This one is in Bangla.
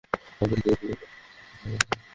আপনি কি তাদের পরিবারের সাথে দেখা করেছেন?